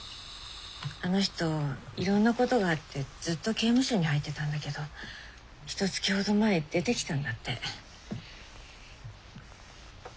あの人いろんなことがあってずっと刑務所に入ってたんだけどひとつきほど前出てきたんだって。